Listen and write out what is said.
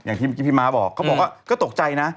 เมื่อกี้พี่มาบอกก็บอกว่าก็ตกใจนะ